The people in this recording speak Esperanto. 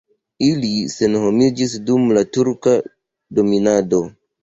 Ili senhomiĝis dum la turka dominado.